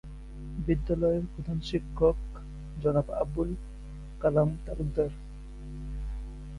বিদ্যালয়ের প্রধান শিক্ষক জনাব আবুল কালাম তালুকদার।